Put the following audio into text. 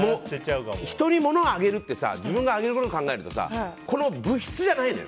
人に物をあげるって自分があげることを考えるとこの物質じゃないのよ。